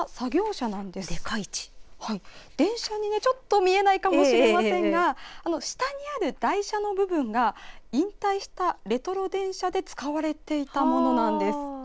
電車にね、ちょっと見えないかもしれませんが下にある台車の部分が引退したレトロ電車で使われていたものなんです。